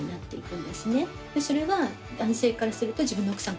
それは男性からすると自分の奥さん